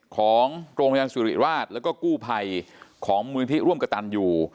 ของโรงพยาบาลสุริราชแล้วก็กู้ภัยของมูลนิธิร่วมกระตันอยู่